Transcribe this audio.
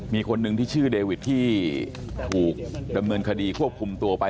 มีคนหนึ่งที่ชื่อเดวิดที่ถูกดำเนินคดีควบคุมตัวไป